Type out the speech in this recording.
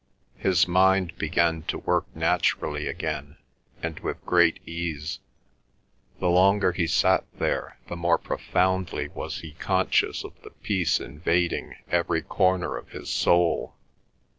His mind began to work naturally again and with great ease. The longer he sat there the more profoundly was he conscious of the peace invading every corner of his soul.